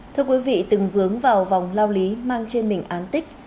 thưa quý vị từng vướng vào vòng lao lý mang trên mình án tích